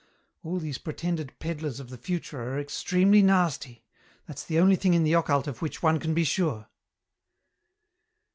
All these pretended peddlers of the future are extremely nasty; that's the only thing in the occult of which one can be sure."